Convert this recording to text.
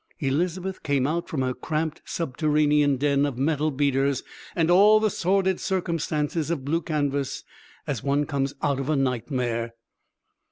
Elizabeth came out from her cramped subterranean den of metal beaters and all the sordid circumstances of blue canvas, as one comes out of a nightmare.